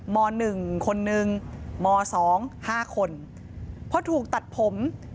ม๑คนนึงม๒๕คนเพราะถูกตัดผม